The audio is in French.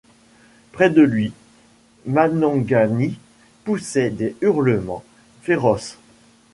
Près de lui, Manangani poussait des hurlements féroces.